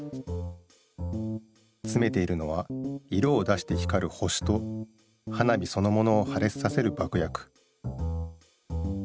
つめているのは色を出して光る星と花火そのものを破裂させる爆薬。